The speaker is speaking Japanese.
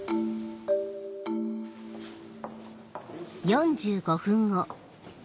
４５分後。